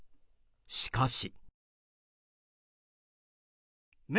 しかし。